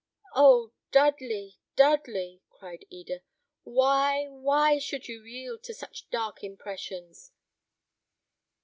"Oh! Dudley, Dudley," cried Eda, "why, why should you yield to such dark impressions?"